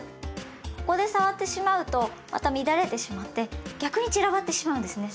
ここで触ってしまうとまた乱れてしまって逆に散らばってしまうんですね。